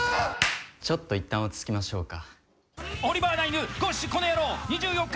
ちょっと、いったん落ち着きましょうか。